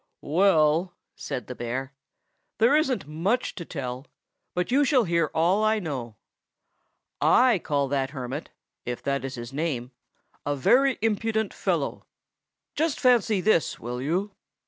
"Well," said the bear, "there isn't much to tell, but you shall hear all I know. I call that hermit, if that is his name, a very impudent fellow. Just fancy this, will you?